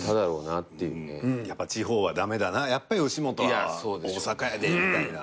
やっぱ地方は駄目だなやっぱ吉本は大阪やでみたいな。